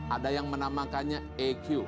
ada yang menamakannya eq